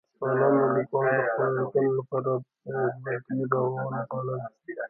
ځوانو ليکوالو د خپلو ليکنو لپاره بډې را ونغاړلې.